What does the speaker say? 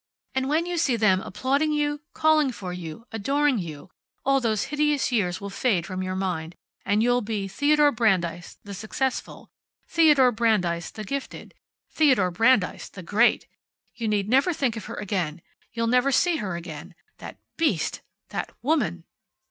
And when you see them applauding you, calling for you, adoring you, all those hideous years will fade from your mind, and you'll be Theodore Brandeis, the successful, Theodore Brandeis, the gifted, Theodore Brandeis, the great! You need never think of her again. You'll never see her again. That beast! That woman!"